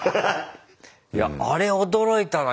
いやあれ驚いたな。